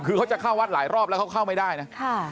คือเขาจะเข้าวัดหลายรอบแล้วเขาเข้าไม่ได้นะ